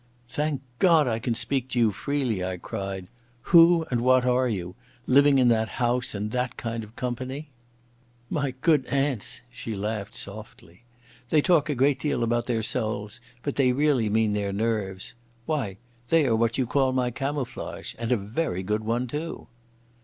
"Thank God I can speak to you freely," I cried. "Who and what are you—living in that house in that kind of company?" "My good aunts!" She laughed softly. "They talk a great deal about their souls, but they really mean their nerves. Why, they are what you call my camouflage, and a very good one too."